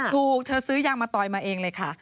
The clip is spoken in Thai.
เธอซื้อยางมะตอยมาเองเลยค่ะ